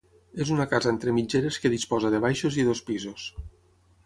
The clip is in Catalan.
És una casa entre mitgeres que disposa de baixos i dos pisos.